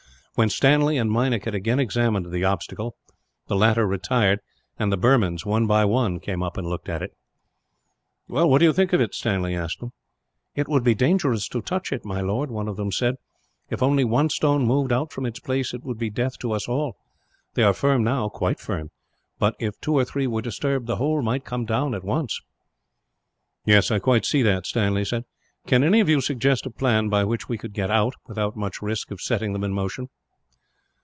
When Stanley and Meinik had again examined the obstacle, the latter retired; and the Burmans, one by one, came up and looked at it. "What do you think of it?" Stanley asked them. "It would be dangerous to touch it, my lord," one of them said. "If only one stone moved out from its place, it would be death to us all. They are firm now, quite firm; but if two or three were disturbed, the whole might come down at once." "I quite see that," Stanley said. "Can any of you suggest a plan by which we could get out, without much risk of setting them in motion?"